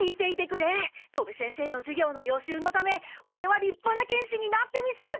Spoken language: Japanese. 戸部先生の授業の予習のためオレはりっぱな剣士になってみせる！